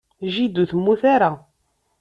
Jida ur temmut ara.